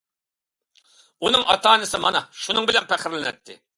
ئۇنىڭ ئاتا-ئانىسى مانا شۇنىڭ بىلەن پەخىرلىنەتتى.